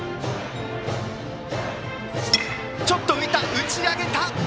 打ち上げた。